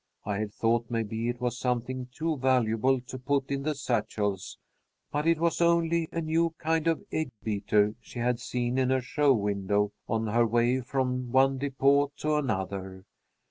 I had thought maybe it was something too valuable to put in the satchels, but it was only a new kind of egg beater she had seen in a show window on her way from one depot to another.